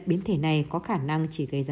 biến thể này có khả năng chỉ gây ra